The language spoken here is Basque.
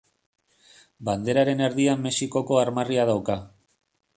Banderaren erdian Mexikoko armarria dauka.